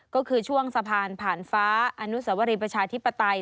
ก็คือช่วงสะพานผ่านฟ้าอนุสวรีประชาธิปไตย